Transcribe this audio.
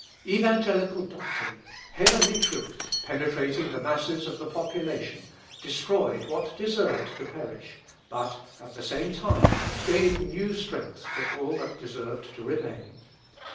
Evangelical doctrine, heavenly truth, penetrating the masses of the population, destroyed what deserved to perish, but, at the same time, gave new strength to all that deserved to remain.